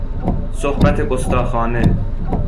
صحبت گستاخانه